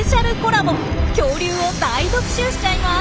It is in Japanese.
恐竜を大特集しちゃいます！